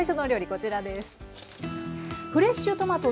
こちらです。